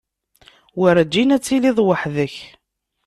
Werǧin ad tiliḍ weḥd-k.